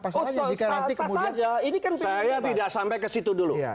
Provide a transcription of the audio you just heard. saya tidak sampai ke situ dulu